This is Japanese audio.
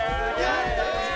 ・やったー！